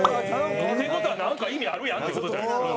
って事はなんか意味あるやんっていう事じゃないですか。